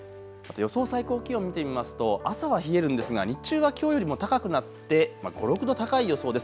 予想最高気温、見てみますと朝は冷えるんですが日中はきょうよりも高くなって５、６度高い予想です。